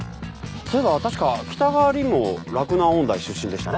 そういえば確か北川凛も洛南音大出身でしたね。